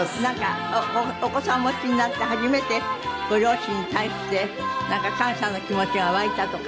なんかお子さんお持ちになって初めてご両親に対して感謝の気持ちが湧いたとかって。